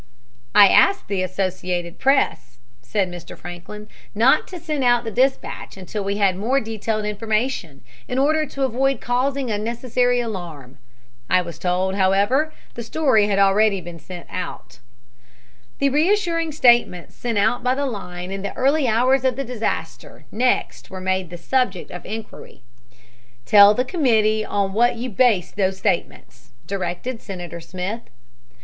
"I asked the Associated Press," said Mr. Franklin, "not to send out the dispatch until we had more detailed information, in order to avoid causing unnecessary alarm. I was told, however, that the story already had been sent." The reassuring statements sent out by the line in the early hours of the disaster next were made the subject of inquiry. "Tell the committee on what you based those statements," directed Senator Smith.